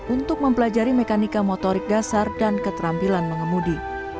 untuk mempelajari mekanika motorik dasar dan keterampilan mengemudi